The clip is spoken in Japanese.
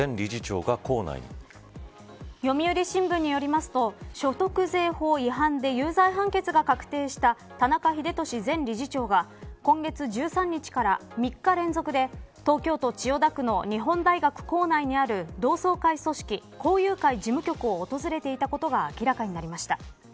読売新聞によりますと所得税法違反で有罪判決が確定した田中英寿前理事長が今月１３日から３日連続で、東京都千代田区の日本大学構内にある同窓会組織、校友会事務局を訪れていたことが明らかになりました。